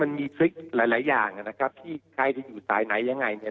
มันมีทริคหลายหลายอย่างนะครับที่ใครจะอยู่สายไหนยังไงเนี่ย